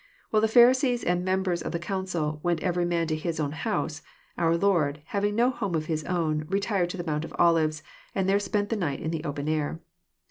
While the Pharisees and members of the council '< went every man to his own house," our Lord, having no home of His own, retired 'Ho the Mount of Olives," and tiiere spent the night in the open air.